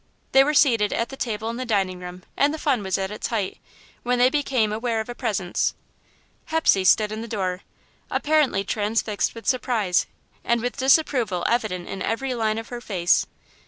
They were seated at the table in the dining room and the fun was at its height, when they became aware of a presence. Hepsey stood in the door, apparently transfixed with surprise, and with disapproval evident in every line of her face.